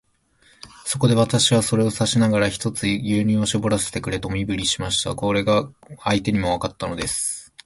そこで、私はそれを指さしながら、ひとつ牛乳をしぼらせてくれという身振りをしました。これが相手にもわかったのです。